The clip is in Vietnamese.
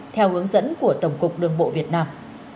theo hướng dẫn của tổng cục đường bộ việt nam